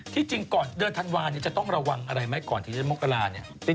ที่จริงก่อนเดือนธันวาจะต้องระวังอะไรไหมก่อนที่จะมกราเนี่ย